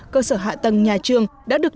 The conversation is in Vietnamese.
cơ sở hạ tầng nhà trường đã được